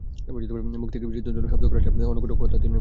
মুখ থেকে বিচিত্র ধরনের শব্দ করা ছাড়া পেরি কোনো কথা বলে না।